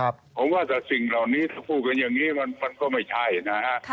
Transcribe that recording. ผมว่าแต่สิ่งเหล่านี้ถ้าพูดกันอย่างนี้มันก็ไม่ใช่นะฮะ